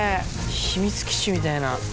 秘密基地みたいな。